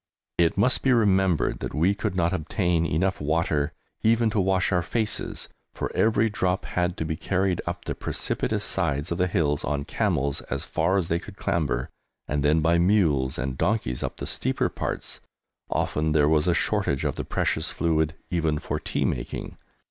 It must be remembered that we could not obtain enough water even to wash our faces, for every drop had to be carried up the precipitous sides of the hills on camels as far as they could clamber, and then by mules and donkeys up the steeper parts. Often there was a shortage of the precious fluid even for tea making.